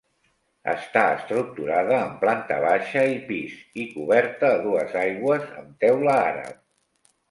Està estructurada en planta baixa i pis i coberta a dues aigües amb teula àrab.